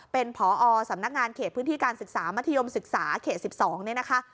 เป็นพอสำนักงานเขตพื้นที่การศึกษามัธยมศึกษาเขต๑๒เนี่ยนะคะ